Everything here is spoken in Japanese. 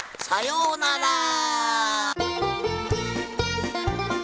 さようなら！